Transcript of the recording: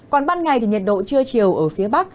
còn ban ngày thì nhiệt độ trưa chiều ở phía bắc